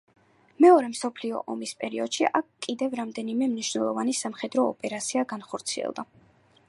მეორე მსოფლიო ომის პერიოდში აქ კიდევ რამდენიმე მნიშვნელოვანი სამხედრო ოპერაცია განხორციელდა.